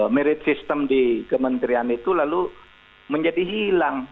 merit system di kementerian itu lalu menjadi hilang